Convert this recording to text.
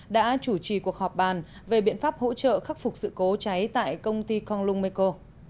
đã chủ trì cuộc họp bàn về biện pháp hỗ trợ khắc phục sự cố cháy tại công ty congung meko